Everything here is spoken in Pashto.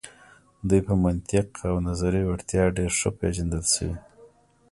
دوی په منطق او نظري وړتیا ډیر ښه پیژندل شوي.